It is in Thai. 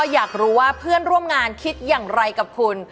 อยากรู้ว่าเพื่อนร่วมงานคิดอย่างไรกับคุณ